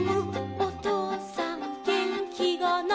おとうさんげんきがない」